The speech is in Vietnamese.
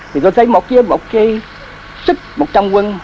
thì tôi thấy một chiếc sức một trong quân